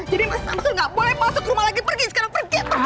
jadi mas samsul gak boleh masuk rumah lagi pergi sekarang pergi pergi